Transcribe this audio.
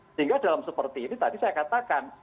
sehingga dalam seperti ini tadi saya katakan